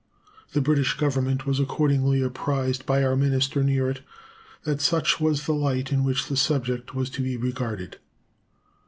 The British Government was accordingly apprised by our minister near it that such was the light in which the subject was to be regarded.